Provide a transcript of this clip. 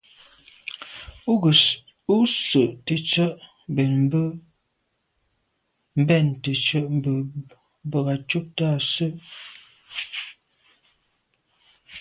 Û gə̄ sə̂' tə̀tswə́' mbɛ̂n bə̂ tə̀tswə́' mbə̄ bə̀k à' cúptə́ â sə́.